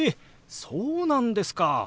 そうなんですか！